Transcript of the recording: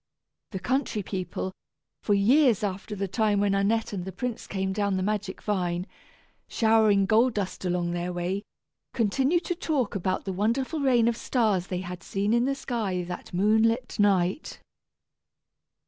The country people, for years after the time when Annette and the prince came down the magic vine, showering gold dust along their way, continued to talk about the wonderful rain of stars they had seen in the sky that moon lit night.